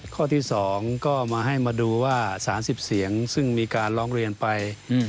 ข้อที่๒ก็มาให้มาดูว่า๓๐เสียงซึ่งมีการร้องเรียนไป